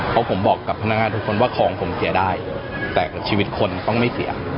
เพราะผมบอกกับพนักงานทุกคนว่าของผมเสียได้แต่ชีวิตคนต้องไม่เสีย